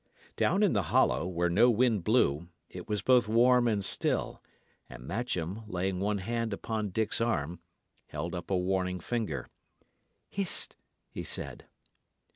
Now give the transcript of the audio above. Down in the hollow, where no wind blew, it was both warm and still; and Matcham, laying one hand upon Dick's arm, held up a warning finger. "Hist!" he said.